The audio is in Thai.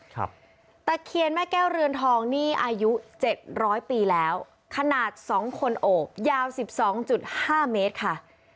ตะเคียนแม่แก้วเรือนทองนี่อายุเจ็ดร้อยปีแล้วขนาดสองคนโอบยาวสิบสองจุดห้าเมตรค่ะ